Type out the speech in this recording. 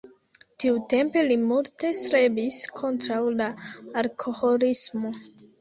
Tiutempe li multe strebis kontraŭ la alkoholismo.